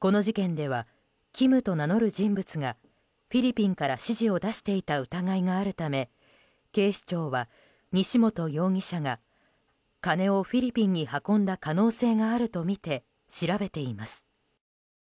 この事件ではキムと名乗る人物がフィリピンから指示を出していた疑いがあるため警視庁は、西本容疑者が金をフィリピンに運んだ可能性があるとみて調べています。